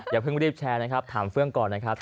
อย่าเพิ่งรีบแชร์นะครับถามเฟื่องก่อนนะครับ